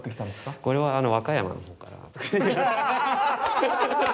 これは和歌山の方から。